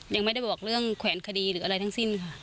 ยังไม่ได้บอกเรื่องแขวนคดีหรืออะไรทั้งสิ้นค่ะ